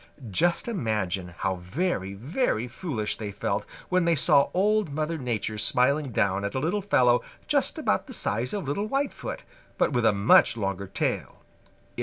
Just imagine how very, very foolish they felt when they saw Old Mother Nature smiling down at a little fellow just about the size of little Whitefoot, but with a much longer tail.